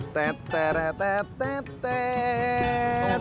tapi saya bahagia jak